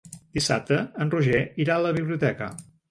Dissabte en Roger irà a la biblioteca.